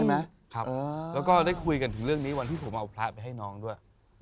แล้วก็ได้คุยกันถึงเรื่องนี้วันที่ผมเอาพระไปให้น้องด้วย